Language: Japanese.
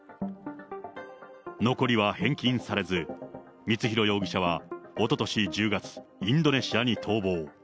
残りは返金されず、光弘容疑者は、おととし１０月、インドネシアに逃亡。